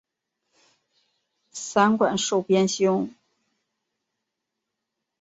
散馆授编修。